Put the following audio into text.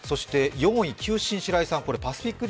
４位は球審・白井さん。